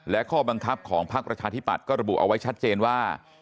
และข้อบังคับของพักประชาธิปัตย์ก็ระบุเอาไว้ชัดเจนว่า